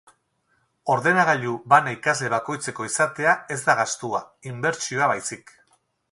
Ordenagailu bana ikasle bakoitzeko izatea ez da gastua, inbertsioa baizik.